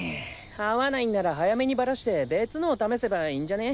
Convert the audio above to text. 合わないんなら早めにバラして別のを試せばいいんじゃね？